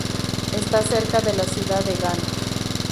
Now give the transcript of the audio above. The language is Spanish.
Está cerca de la ciudad de Ghat.